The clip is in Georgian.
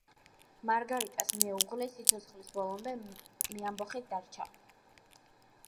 მარგარიტას მეუღლე სიცოცხლის ბოლომდე მეამბოხედ დარჩა.